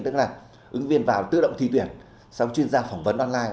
tức là ứng viên vào tự động thi tuyển song chuyên gia phỏng vấn online